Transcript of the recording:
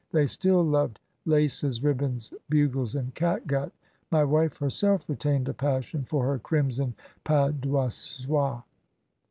They still loved laces, ribbands, bugles and catgut; my wife her self retained a passion for her crimson paduasoy. ...